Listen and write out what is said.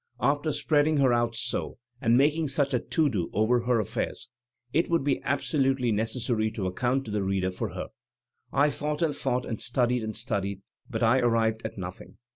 After spreading her out so, and making such a to do over her affairs, it would be .absolutely necessary to account to the reader for her. I thought and thought and studied and studied; but I arrived at nothing.